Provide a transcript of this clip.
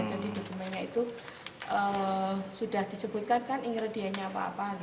jadi dokumennya itu sudah disebutkan kan ingredienya apa apa